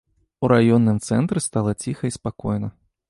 У раённым цэнтры стала ціха і спакойна.